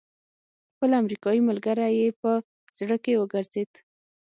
خپل امريکايي ملګری يې په زړه کې وګرځېد.